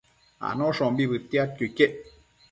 Anoshombi bëtiadquio iquec